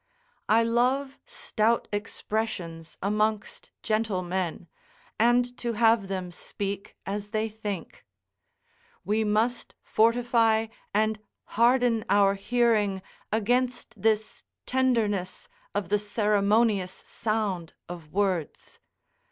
I love stout expressions amongst gentle men, and to have them speak as they think; we must fortify and harden our hearing against this tenderness of the ceremonious sound of words.